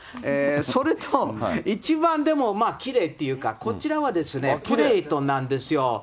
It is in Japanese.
それと一番でもきれいっていうか、こちらはプレートなんですよ。